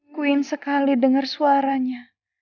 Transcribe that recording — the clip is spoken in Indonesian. aku ingin sekali dengar suaranya